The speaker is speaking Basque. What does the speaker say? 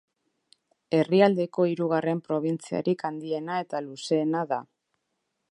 Herrialdeko hirugarren probintziarik handiena eta luzeena da.